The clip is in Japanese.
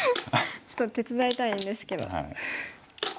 ちょっと手伝いたいんですけど。